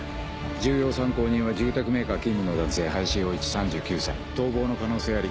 重要参考人は住宅メーカー勤務の男性林洋一３９歳逃亡の可能性あり。